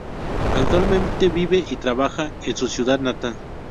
Actualmente vive y trabaja en su ciudad natal.